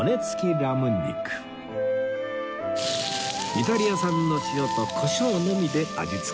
イタリア産の塩とコショウのみで味付け